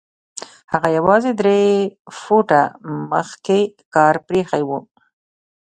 هغه يوازې درې فوټه مخکې کار پرېښی و.